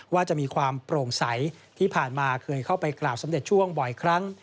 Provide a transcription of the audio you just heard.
ว่าจะมีความโปร่งใสที่ผ่านมาเคยเข้าไปกราบสมเด็จช่วงบ่อยครั้ง